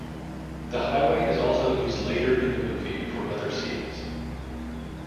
The highway is also used later in the movie for other scenes.